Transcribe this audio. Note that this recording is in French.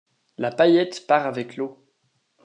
La paillette pars avec l'eau.